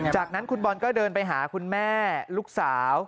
จากนั้นคุณบอลก็เดินไปหาคุณแม่ลูกสาว